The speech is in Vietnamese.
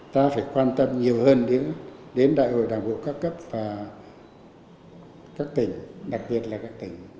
ta phải quan tâm nhiều hơn đến đại hội đảng bộ các cấp và các tỉnh đặc biệt là các tỉnh